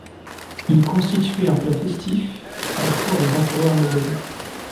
Il constituait un plat festif à la cour des empereurs moghols.